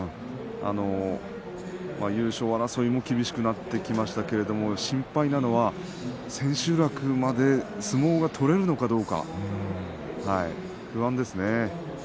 優勝争いも厳しくなってきましたけれども心配なのは千秋楽まで相撲が取れるのかどうか不安ですね。